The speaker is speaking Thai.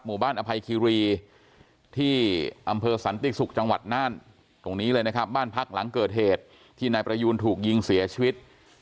ออภัยคีรีที่อำเภอสันติศุกร์จังหวัดน่านตรงนี้เลยนะครับบ้านพักหลังเกิดเหตุที่นายประยูนถูกยิงเสียชีวิต